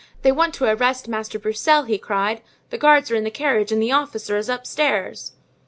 "They want to arrest Master Broussel!" he cried; "the guards are in the carriage and the officer is upstairs!"